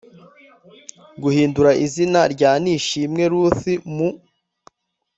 guhindura izina rya nishimwe ruth mu